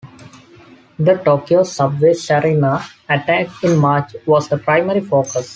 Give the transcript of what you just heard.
The Tokyo subway sarin attack in March was the primary focus.